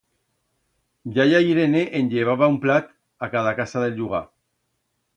Yaya Irene en llevaba un pllat a cada casa d'el llugar.